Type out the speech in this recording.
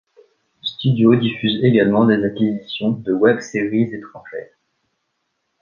Studio diffuse également des acquisitions de web-séries étrangères.